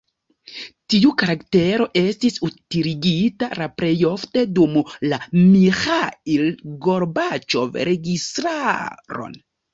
Tiu karaktero estis utiligita la plejofte dum la Miĥail Gorbaĉov registaron.